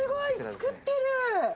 作ってる！